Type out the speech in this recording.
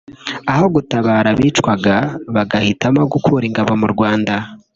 aho gutabara abicwaga bagahitamo gukura ingabo mu Rwanda